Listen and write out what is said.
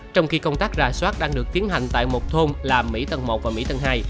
trong khi công tác ra soát đang được tiến hành tại một thôn là mỹ tầng một và một a